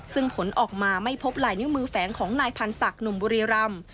ซึ่งผลออกมาไม่พบลายนิ้วมือแฝงของนายพันธ์ศักดิ์หนุ่มบุรีรำ